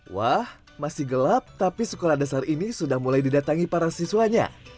wah masih gelap tapi sekolah dasar ini sudah mulai didatangi para siswanya